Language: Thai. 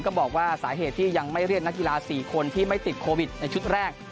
บอกว่าสาเหตุที่ยังไม่เรียกนักกีฬา๔คนที่ไม่ติดโควิดในชุดแรก